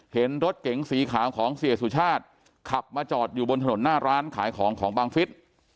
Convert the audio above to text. เห็นรถเก๋งสีขาวของเสียสุชาติขับมาจอดอยู่บนถนนหน้าร้านขายของของบังฟิศ